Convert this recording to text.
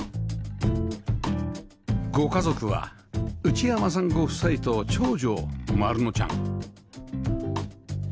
ご家族は内山さんご夫妻と長女まるのちゃん